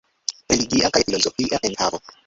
Religia kaj filozofia enhavo.